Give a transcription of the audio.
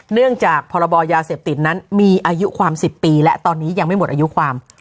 จากพรบยาเสพติดนั้นมีอายุความ๑๐ปีและตอนนี้ยังไม่หมดอายุความ